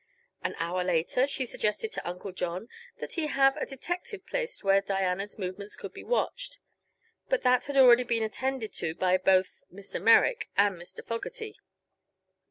An hour later she suggested to Uncle John that he have a detective placed where Diana's movements could be watched; but that had already been attended to by both Mr. Merrick and Mr. Fogerty.